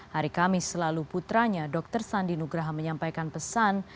hari kamis selalu putranya dr sandi nugraha menyampaikan pesan